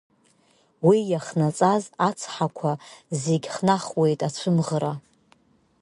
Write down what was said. Уи иахнаҵаз ацҳақәа зегь хнахуеит ацәымӷра…